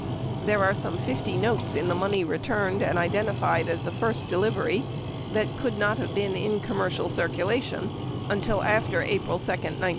There are some 50 notes in the money returned and identified as the first delivery that could not have been in commercial circulation until after April 2, 1969.